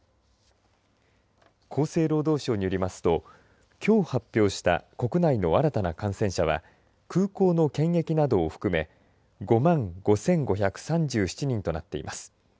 厚生労働省によりますときょう発表した国内の新たな感染者は空港の検疫などを含め５万５５３７人となっています。